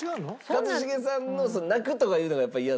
一茂さんの泣くとかいうのがやっぱりイヤ。